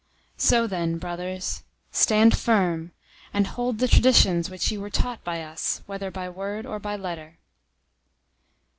002:015 So then, brothers, stand firm, and hold the traditions which you were taught by us, whether by word, or by letter.